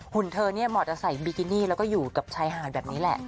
เธอเนี่ยเหมาะจะใส่บิกินี่แล้วก็อยู่กับชายหาดแบบนี้แหละ